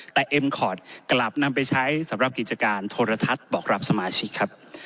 แต่เอ็มคอร์ดกลับนำไปใช้สำหรับกิจการโทรทัศน์บอกรับสมาชิกครับ